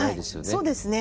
そうですね。